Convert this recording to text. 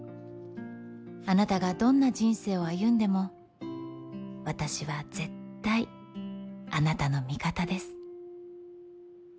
あなたがどんな人生を歩んでも私は絶対あなたの味方です」。